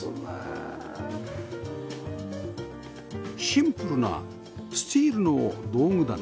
シンプルなスチールの道具棚